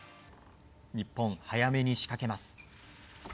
日本、早めに仕掛けます。